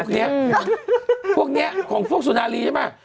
พวกนี้พวกนี้ของพวกสุนารีใช่ไหม